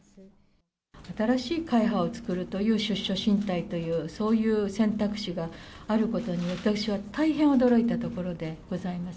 新しい会派を作るという出処進退という、そういう選択肢があることに、私は大変驚いたところでございます。